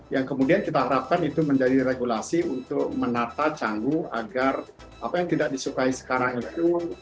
yang kemudian kita harapkan itu menjadi regulasi untuk menata canggu agar apa yang tidak disukai sekarang itu